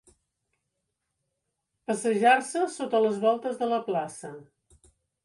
Passejar-se sota les voltes de la plaça.